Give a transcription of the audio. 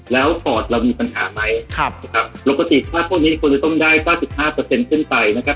แล้วปอดเรามีปัญหาไหมนะครับปกติถ้าพวกนี้ควรจะต้องได้๙๕ขึ้นไปนะครับ